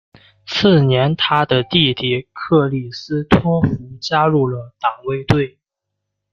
次年他的弟弟克里斯托福加入了党卫队。